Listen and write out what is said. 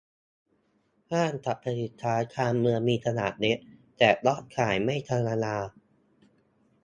ห้างสรรพสินค้าชานเมือง มีขนาดเล็ก แต่ยอดขายไม่ธรรมดา